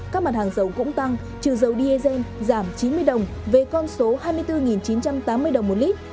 các mặt hàng dầu cũng tăng trừ dầu diesel giảm chín mươi đồng về con số hai mươi bốn chín trăm tám mươi đồng một lít